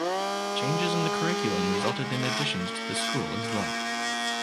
Changes in the curriculum resulted in additions to the school as well.